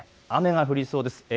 雨が降りそうです。